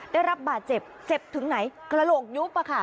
ได้รับบาดเจ็บเจ็บถึงไหนกระโหลกยุบ